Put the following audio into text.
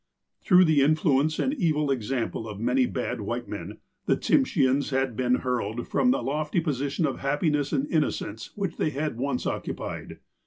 Through the influence and evil example of many bad white men, the Tsimsheans had been hurled from the lofty position of happiness and innocence which they had once occupied.